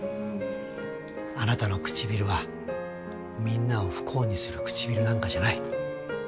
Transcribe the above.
あなたのくちびるはみんなを不幸にするくちびるなんかじゃない。